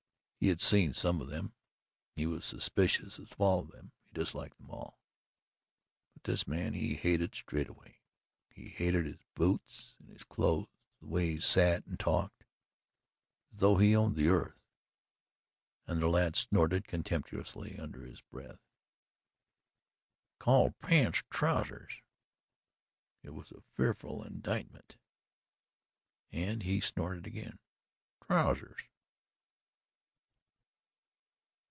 He had seen some of them, he was suspicious of all of them, he disliked them all but this man he hated straightway. He hated his boots and his clothes; the way he sat and talked, as though he owned the earth, and the lad snorted contemptuously under his breath: "He called pants 'trousers.'" It was a fearful indictment, and he snorted again: "Trousers!"